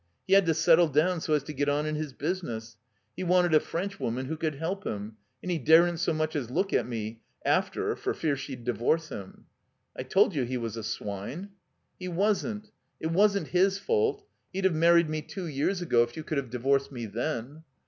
He had to settle down so as to get on in his business. He wanted a Frenchwoman who could help him, and he daren't so much as look at me — after, for fear she'd divorce him." "I told you he was a swine." "He wasn't. It wasn't his fault. He'd have married me two years ago if you could have divorced me then."